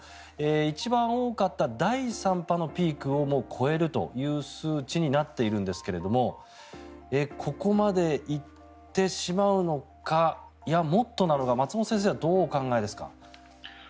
一番多かった第３波のピークを超えるという数値になっているんですがここまで行ってしまうのかいや、もっとなのか松本先生はどうお考えですか。